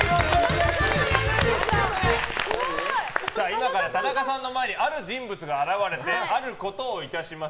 今から田中さんの前にある人物が現れてあることをいたします。